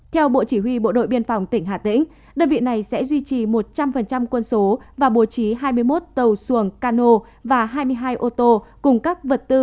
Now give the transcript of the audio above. theo bộ chỉ huy bộ đội biên phòng tỉnh hà tĩnh đơn vị này sẽ duy trì một trăm linh quân số và bố trí hai mươi một tàu xuồng cano và hai mươi hai ô tô cùng các vật tư